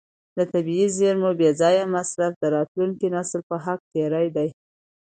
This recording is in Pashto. د طبیعي زیرمو بې ځایه مصرف د راتلونکي نسل په حق تېری دی.